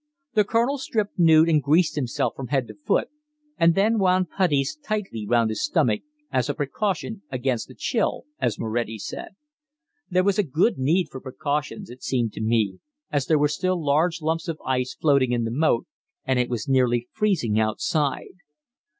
The Colonel stripped nude and greased himself from head to foot, and then wound puttees tightly round his stomach, as a "precaution against a chill," as Moretti said. There was good need for precautions, it seemed to me, as there were still large lumps of ice floating in the moat, and it was nearly freezing outside.